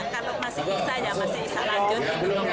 karena masih bisa ya masih bisa lanjut